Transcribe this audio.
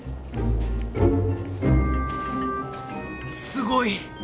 すごい！